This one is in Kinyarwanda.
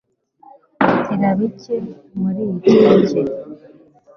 gira bike muriyi keke